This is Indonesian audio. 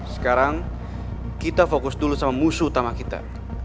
sekarang kita fokus dulu sama musuh utama kita